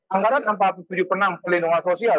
anggaran empat puluh tujuh enam perlindungan sosial